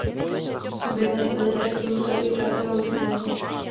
Objeveny byly též pozůstatky keltského osídlení.